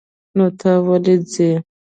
نو ته ولې ځې؟